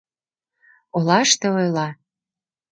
Олаште ойла: